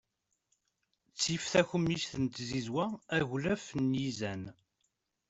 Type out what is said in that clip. Ttif takemmict n tzizwa aglaf n yizan.